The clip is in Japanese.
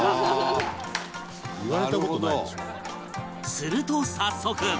すると早速